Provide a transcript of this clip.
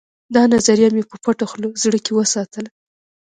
دا نظریه مې په پټه خوله زړه کې وساتله